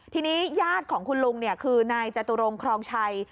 ทีนี้ญาติของคุณลุงคือนายจตุรงครองชัย